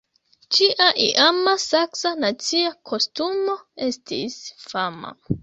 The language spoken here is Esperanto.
Ĝia iama saksa nacia kostumo estis fama.